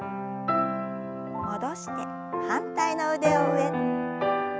戻して反対の腕を上。